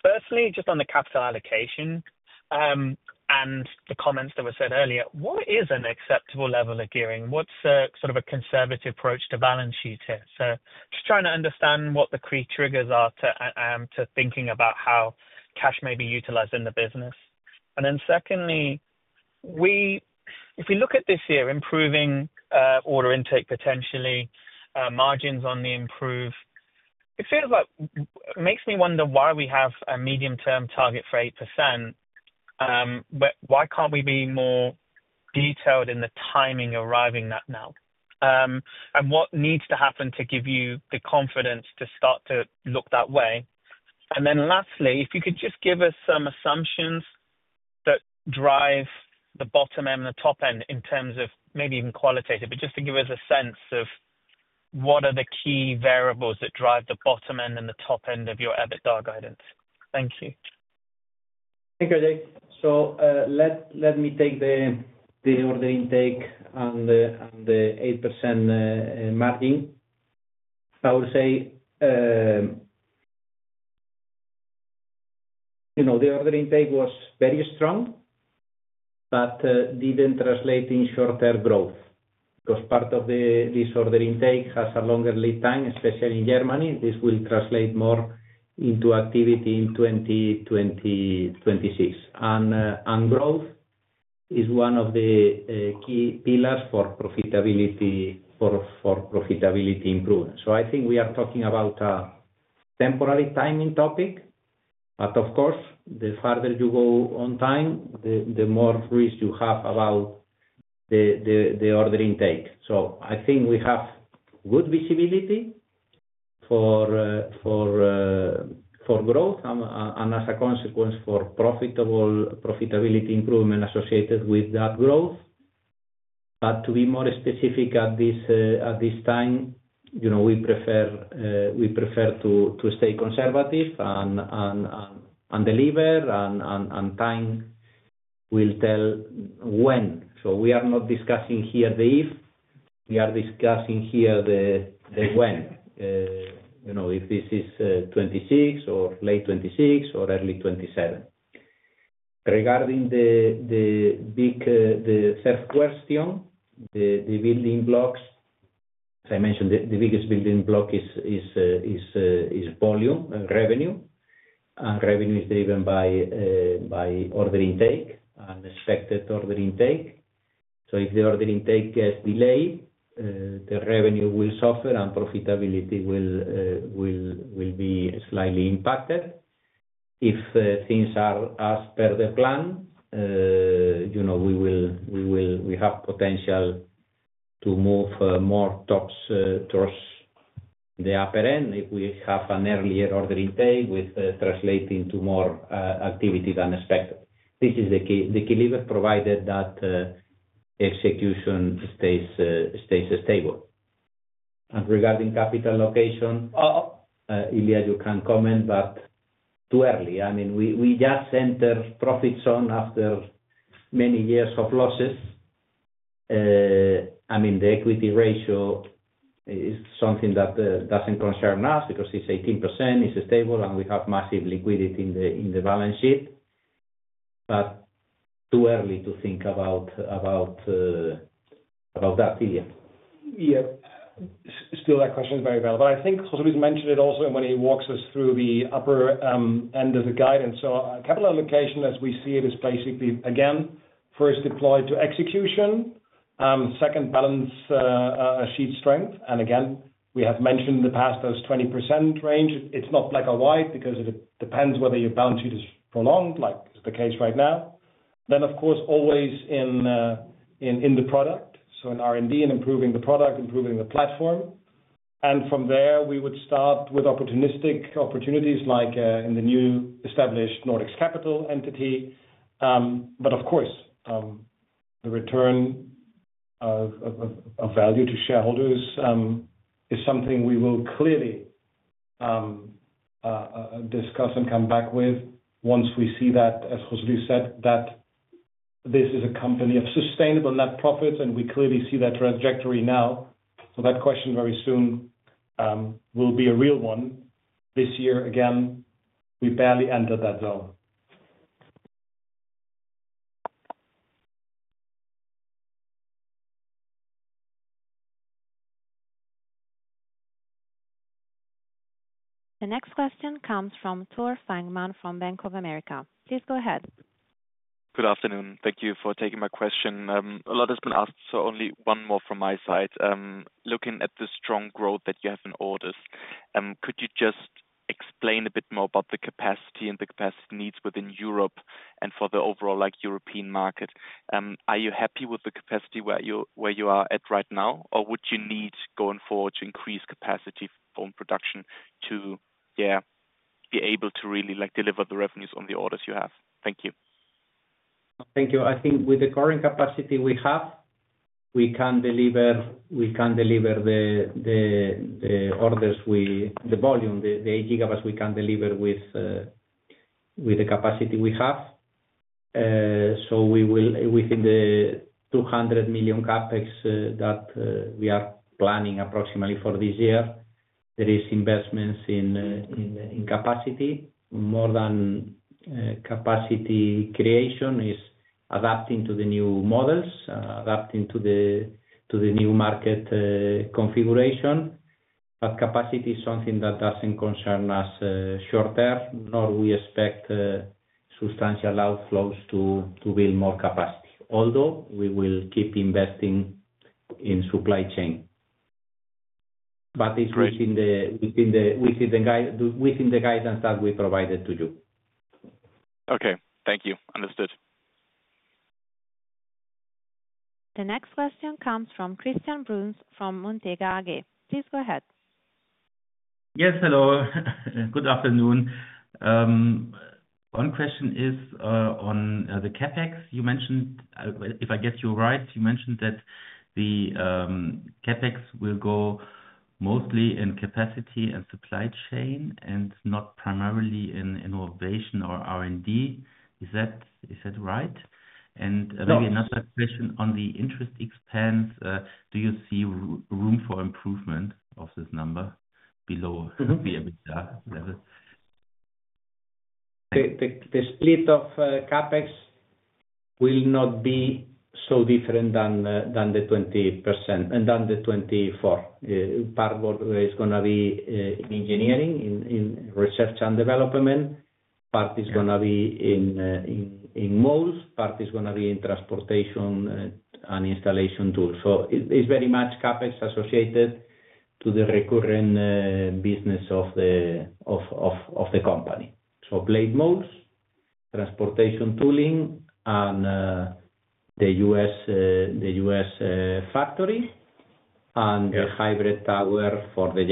Firstly, just on the capital allocation and the comments that were said earlier, what is an acceptable level of gearing? What's sort of a conservative approach to balance sheet here? So just trying to understand what the key triggers are to thinking about how cash may be utilized in the business. And then secondly, if we look at this year, improving order intake potentially, margins on the improve, it feels like it makes me wonder why we have a medium-term target for 8%. Why can't we be more detailed in the timing arriving that now? And what needs to happen to give you the confidence to start to look that way? And then lastly, if you could just give us some assumptions that drive the bottom end and the top end in terms of maybe even qualitative, but just to give us a sense of what are the key variables that drive the bottom end and the top end of your EBITDA guidance? Thank you. Thank you, Ajay. So let me take the order intake and the 8% margin. I would say the order intake was very strong, but didn't translate in shorter growth because part of this order intake has a longer lead time, especially in Germany. This will translate more into activity in 2026. And growth is one of the key pillars for profitability improvement. So I think we are talking about a temporary timing topic. But of course, the farther you go on time, the more risk you have about the order intake. So I think we have good visibility for growth and, as a consequence, for profitability improvement associated with that growth. But to be more specific at this time, we prefer to stay conservative and deliver, and time will tell when. So we are not discussing here the if. We are discussing here the when, if this is 2026 or late 2026 or early 2027. Regarding the third question, the building blocks, as I mentioned, the biggest building block is volume, revenue. And revenue is driven by order intake and expected order intake. So if the order intake gets delayed, the revenue will suffer, and profitability will be slightly impacted. If things are as per the plan, we have potential to move more stocks towards the upper end if we have an earlier order intake with translating to more activity than expected. This is the key lever provided that execution stays stable. And regarding capital allocation, Ilya, you can comment, but too early. I mean, we just entered profit zone after many years of losses. I mean, the equity ratio is something that doesn't concern us because it's 18%. It's stable, and we have massive liquidity in the balance sheet. But too early to think about that, Ilya. Yeah. Still, that question is very valuable. I think José Luis mentioned it also when he walks us through the upper end of the guidance. So capital allocation, as we see it, is basically, again, first deploy to execution, second, balance sheet strength. And again, we have mentioned in the past those 20% range. It's not black or white because it depends whether your balance sheet is prolonged, like is the case right now. Then, of course, always in the product. So in R&D and improving the product, improving the platform. And from there, we would start with opportunistic opportunities like in the new established Nordics capital entity. But of course, the return of value to shareholders is something we will clearly discuss and come back with once we see that, as José Luis said, that this is a company of sustainable net profits, and we clearly see that trajectory now. So that question very soon will be a real one. This year, again, we barely entered that zone. The next question comes from Tore Fangmann from Bank of America. Please go ahead. Good afternoon. Thank you for taking my question. A lot has been asked, so only one more from my side. Looking at the strong growth that you have in orders, could you just explain a bit more about the capacity and the capacity needs within Europe and for the overall European market? Are you happy with the capacity where you are at right now, or would you need going forward to increase capacity for production to be able to really deliver the revenues on the orders you have? Thank you. Thank you. I think with the current capacity we have, we can deliver the orders, the volume, the 8GW we can deliver with the capacity we have. So within the 200 million CapEx that we are planning approximately for this year, there are investments in capacity. More than capacity creation is adapting to the new models, adapting to the new market configuration. But capacity is something that doesn't concern us short-term, nor do we expect substantial outflows to build more capacity, although we will keep investing in supply chain. But it's within the guidance that we provided to you. Okay. Thank you. Understood. The next question comes from Christian Bruns from Montega AG. Please go ahead. Yes. Hello. Good afternoon. One question is on the CapEx. If I get you right, you mentioned that the CapEx will go mostly in capacity and supply chain and not primarily in innovation or R&D. Is that right? And maybe another question on the interest expense. Do you see room for improvement of this number below the EBITDA level? The split of CapEx will not be so different than the 2023 and than the 2024. Part is going to be in engineering, in research and development. Part is going to be in molds. Part is going to be in transportation and installation tools. So it's very much CapEx associated to the recurring business of the company. So blade molds, transportation tooling, and the US factory, and the hybrid tower for the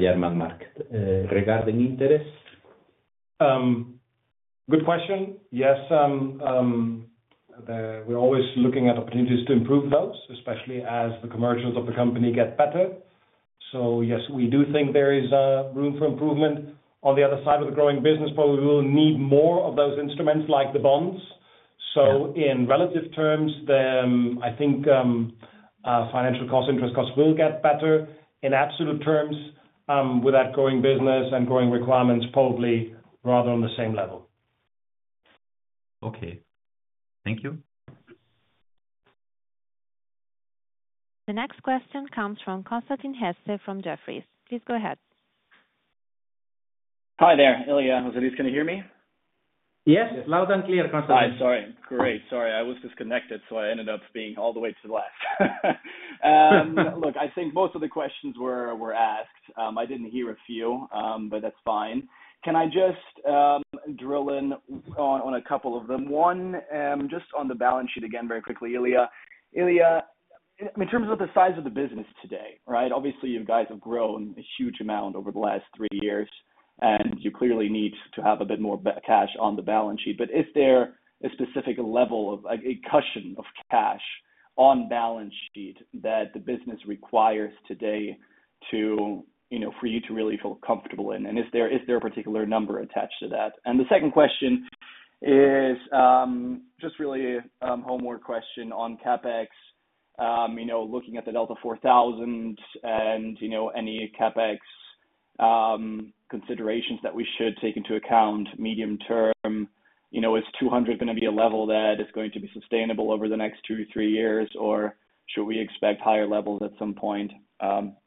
German market. Regarding interest. Good question. Yes. We're always looking at opportunities to improve those, especially as the commercials of the company get better. So yes, we do think there is room for improvement. On the other side of the growing business, probably we will need more of those instruments like the bonds. So in relative terms, I think financial costs, interest costs will get better. In absolute terms, with that growing business and growing requirements, probably rather on the same level. Okay. Thank you. The next question comes from Constantin Hesse from Jefferies. Please go ahead. Hi there, Ilya. José Luis, can you hear me? Yes. Loud and clear, Constantin. I'm sorry. Great. Sorry. I was disconnected, so I ended up being all the way to the last. Look, I think most of the questions were asked. I didn't hear a few, but that's fine. Can I just drill in on a couple of them? One, just on the balance sheet again, very quickly, Ilya. Ilya, in terms of the size of the business today, right? Obviously, you guys have grown a huge amount over the last three years, and you clearly need to have a bit more cash on the balance sheet. But is there a specific level of a cushion of cash on balance sheet that the business requires today for you to really feel comfortable in? And is there a particular number attached to that? And the second question is just really a homework question on CapEx. Looking at the Delta 4000 and any CapEx considerations that we should take into account medium term, is 200 going to be a level that is going to be sustainable over the next two to three years, or should we expect higher levels at some point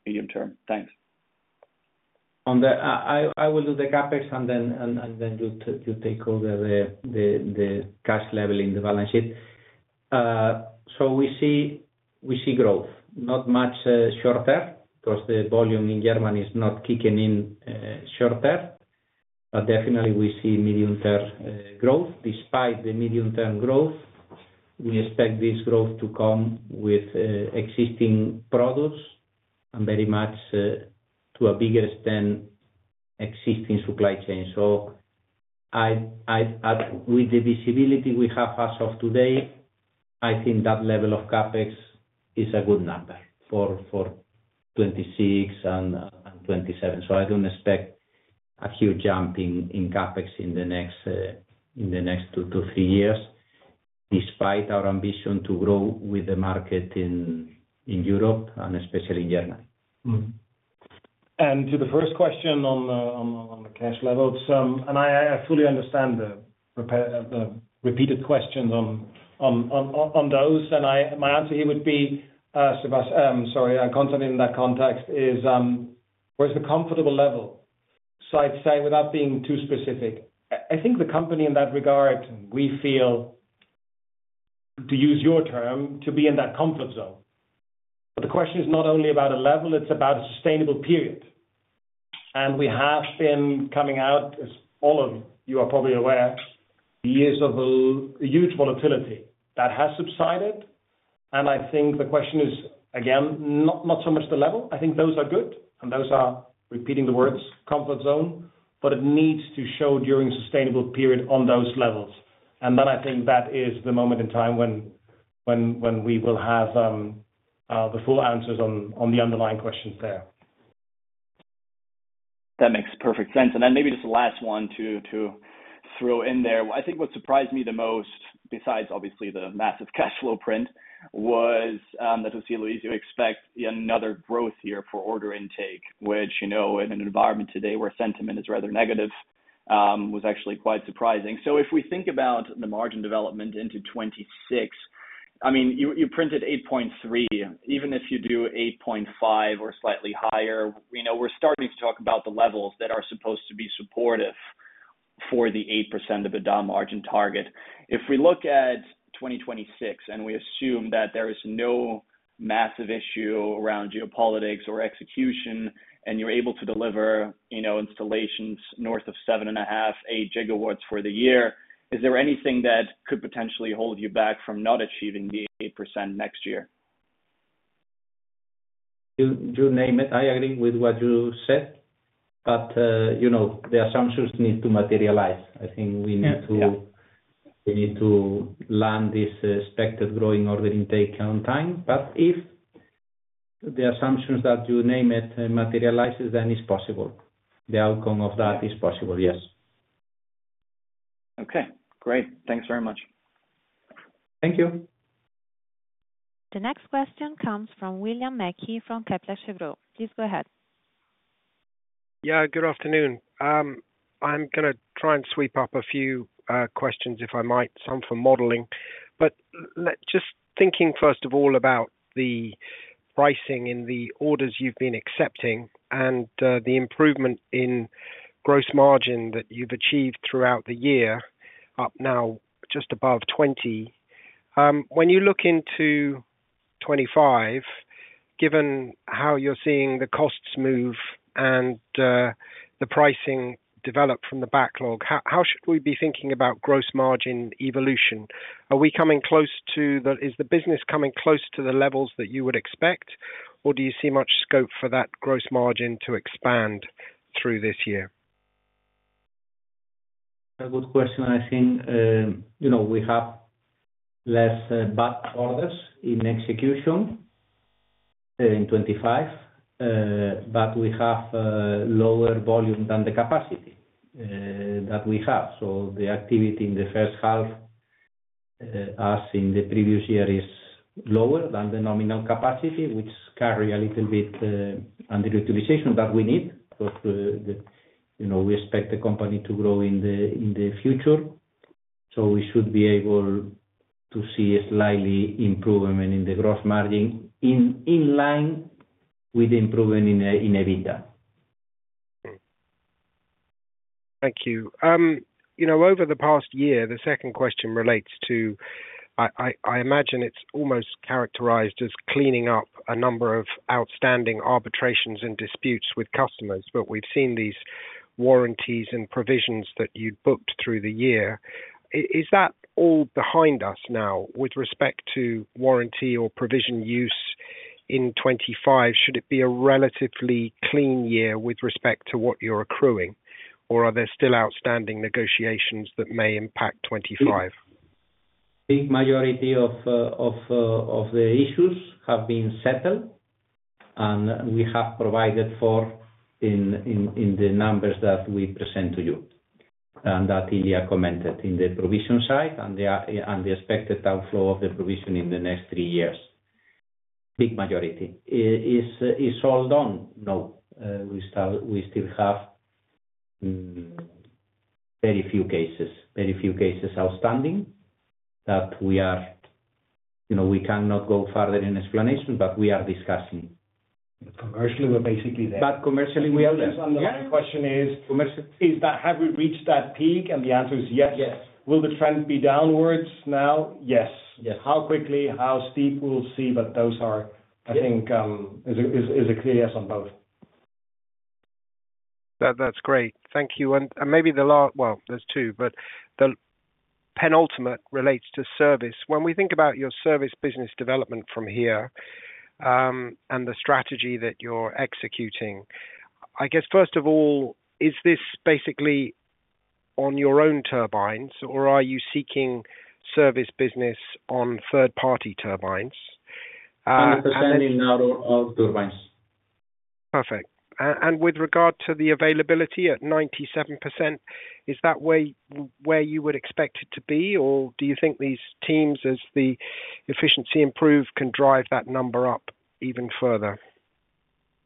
medium term? Thanks. I will do the CapEx and then you take over the cash level in the balance sheet. So we see growth. Not much shorter because the volume in Germany is not kicking in shorter. But definitely, we see medium-term growth. Despite the medium-term growth, we expect this growth to come with existing products and very much to a bigger extent existing supply chain. So with the visibility we have as of today, I think that level of CapEx is a good number for 2026 and 2027. So I don't expect a huge jump in CapEx in the next two to three years, despite our ambition to grow with the market in Europe and especially in Germany. And to the first question on the cash levels, and I fully understand the repeated questions on those. And my answer here would be, Sebastian, sorry, Konstantin, in that context is, where's the comfortable level? So I'd say, without being too specific, I think the company in that regard, we feel, to use your term, to be in that comfort zone. But the question is not only about a level, it's about a sustainable period. And we have been coming out, as all of you are probably aware, years of a huge volatility that has subsided. And I think the question is, again, not so much the level. I think those are good, and those are, repeating the words, comfort zone. But it needs to show during a sustainable period on those levels. And then I think that is the moment in time when we will have the full answers on the underlying questions there. That makes perfect sense. Then maybe just the last one to throw in there. I think what surprised me the most, besides obviously the massive cash flow print, was that José Luis, you expect another growth year for order intake, which in an environment today where sentiment is rather negative was actually quite surprising. So if we think about the margin development into 2026, I mean, you printed 8.3. Even if you do 8.5 or slightly higher, we're starting to talk about the levels that are supposed to be supportive for the 8% EBITDA margin target. If we look at 2026, and we assume that there is no massive issue around geopolitics or execution, and you're able to deliver installations north of 7.5GW to 8GW for the year, is there anything that could potentially hold you back from not achieving the 8% next year? You name it. I agree with what you said. But the assumptions need to materialize. I think we need to land this expected growing order intake on time. But if the assumptions that you name it materializes, then it's possible. The outcome of that is possible, yes. Okay. Great. Thanks very much. Thank you. The next question comes from William Mackie from Kepler Cheuvreux. Please go ahead. Yeah. Good afternoon. I'm going to try and sweep up a few questions, if I might, some for modeling. But just thinking first of all about the pricing in the orders you've been accepting and the improvement in gross margin that you've achieved throughout the year, up now just above 20%. When you look into 2025, given how you're seeing the costs move and the pricing develop from the backlog, how should we be thinking about gross margin evolution? Are we coming close to the business coming close to the levels that you would expect, or do you see much scope for that gross margin to expand through this year? Good question. I think we have less back orders in execution in 2025, but we have lower volume than the capacity that we have. So the activity in the first half, as in the previous year, is lower than the nominal capacity, which carry a little bit under utilization that we need because we expect the company to grow in the future. So we should be able to see a slightly improvement in the gross margin in line with the improvement in EBITDA. Thank you. Over the past year, the second question relates to, I imagine it's almost characterized as cleaning up a number of outstanding arbitrations and disputes with customers, but we've seen these warranties and provisions that you'd booked through the year. Is that all behind us now with respect to warranty or provision use in 2025? Should it be a relatively clean year with respect to what you're accruing, or are there still outstanding negotiations that may impact 2025? The majority of the issues have been settled, and we have provided for in the numbers that we present to you and that Ilya commented in the provision side and the expected outflow of the provision in the next three years. Big majority. Is it all done? No. We still have very few cases, very few cases outstanding that we cannot go further in explanation, but we are discussing. Commercially, we're basically there. But commercially, we are there. The second question is, have we reached that peak? And the answer is yes. Will the trend be downwards now? Yes. How quickly, how steep, we'll see. But those are, I think, is a clear yes on both. That's great. Thank you. And maybe the last, well, there's two, but the penultimate relates to service. When we think about your service business development from here and the strategy that you're executing, I guess, first of all, is this basically on your own turbines, or are you seeking service business on third-party turbines? 100% in our own turbines. Perfect. And with regard to the availability at 97%, is that where you would expect it to be, or do you think these teams, as the efficiency improves, can drive that number up even further?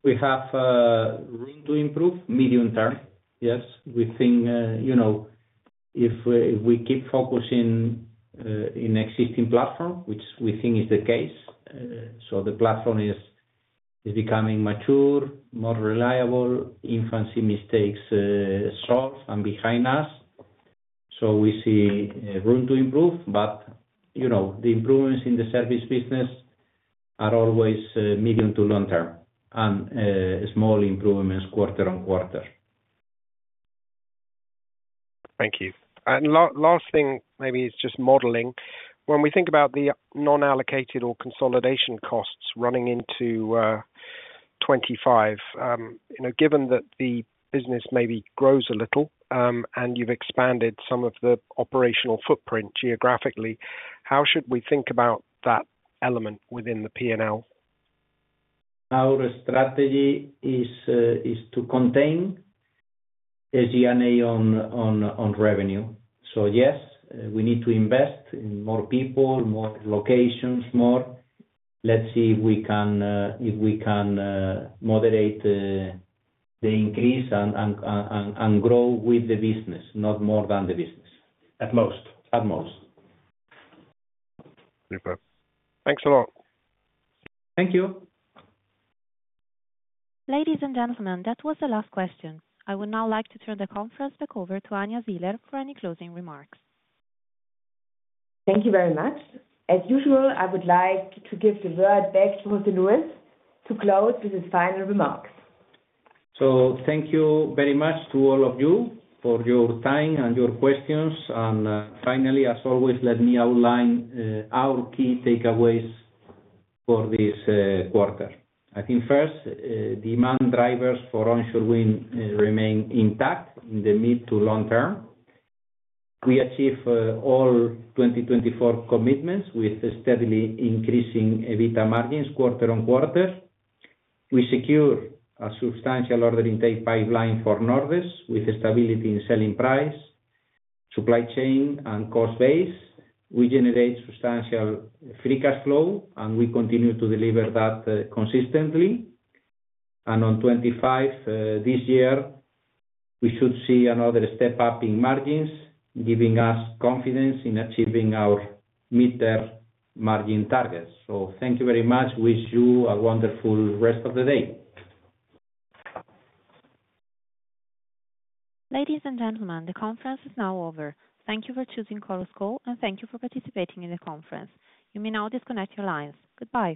We have room to improve medium term, yes. We think if we keep focusing in existing platform, which we think is the case. So the platform is becoming mature, more reliable, infancy mistakes solved and behind us. So we see room to improve. But the improvements in the service business are always medium to long-term and small improvements quarter on quarter. Thank you. And last thing, maybe it's just modeling. When we think about the non-allocated or consolidation costs running into 2025, given that the business maybe grows a little and you've expanded some of the operational footprint geographically, how should we think about that element within the P&L? Our strategy is to contain a G&A on revenue. So yes, we need to invest in more people, more locations, more. Let's see if we can moderate the increase and grow with the business, not more than the business. At most.? At most. Super. Thanks a lot. Thank you. Ladies and gentlemen, that was the last question. I would now like to turn the conference back over to Anja Siehler for any closing remarks. Thank you very much. As usual, I would like to give the word back to José Luis to close with his final remarks. So thank you very much to all of you for your time and your questions. And finally, as always, let me outline our key takeaways for this quarter. I think first, demand drivers for onshore wind remain intact in the mid to long term. We achieve all 2024 commitments with steadily increasing EBITDA margins quarter on quarter. We secure a substantial order intake pipeline for Nordex with stability in selling price, supply chain, and cost base. We generate substantial free cash flow, and we continue to deliver that consistently. And on 2025, this year, we should see another step up in margins, giving us confidence in achieving our mid-term margin targets. So thank you very much. Wish you a wonderful rest of the day. Ladies and gentlemen, the conference is now over. Thank you for choosing Chorus Call, and thank you for participating in the conference. You may now disconnect your lines. Goodbye.